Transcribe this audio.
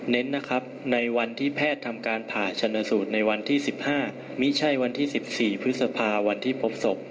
เน้นนะครับในวันที่แพทย์ทำการผ่าชนสูตรในวันที่๑๕ไม่ใช่วันที่๑๔พฤษภาวันที่พบศพ